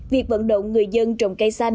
việc vận động người dân trồng cây